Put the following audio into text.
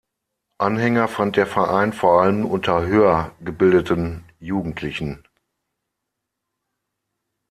Anhänger fand der Verein vor allem unter höher gebildeten Jugendlichen.